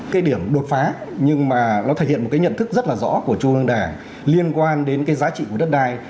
cái điểm đột phá nhưng mà nó thể hiện một cái nhận thức rất là rõ của trung ương đảng liên quan đến cái giá trị của đất đai